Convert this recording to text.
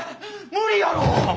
無理やろ！